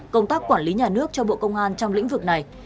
công tác quản lý nhà nước cho bộ công an trong lĩnh vực này